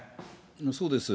そうです。